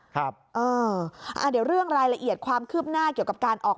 เดี๋ยวเรื่องรายละเอียดความคืบหน้าเกี่ยวกับการออก